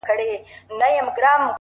د دغه ښار ښکلي غزلي خیالوري غواړي!